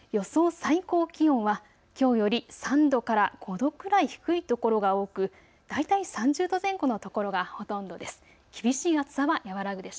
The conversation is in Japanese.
最高気温はきょうより３度から５度くらい低いところが多く大体、３０度前後の所がほとんどです。